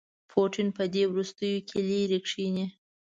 پوټین په دې وروستیوکې لیرې کښيني.